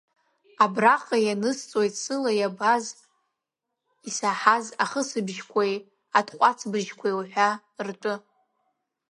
Абраҟа ианысҵоит сыла иабази исаҳази ахысыбжьқәеи атҟәацыбжьқәеи уҳәа ртәы…